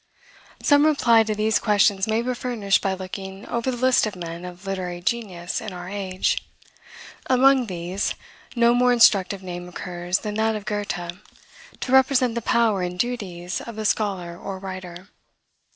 Some reply to these questions may be furnished by looking over the list of men of literary genius in our age. Among these, no more instructive name occurs than that of Goethe, to represent the power and duties of the scholar or writer.